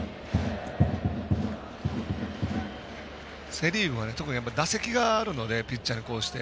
セ・リーグは特に打席があるのでピッチャーにこうして。